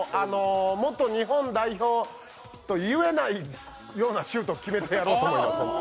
元日本代表といえないようなシュートを決めてやろうと思います。